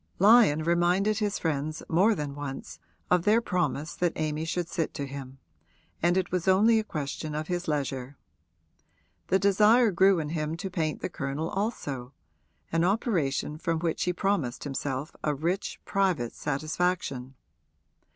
Lyon reminded his friends more than once of their promise that Amy should sit to him, and it was only a question of his leisure. The desire grew in him to paint the Colonel also an operation from which he promised himself a rich private satisfaction.